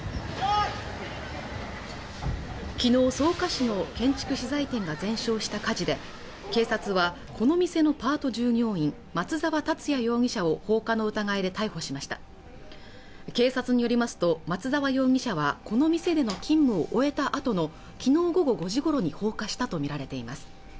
昨日草加市の建築資材店が全焼した火事で警察はこの店のパート従業員松沢達也容疑者を放火の疑いで逮捕しました警察によりますと松沢容疑者はこの店での勤務を終えたあとのきのう午後５時ごろに放火したと見られています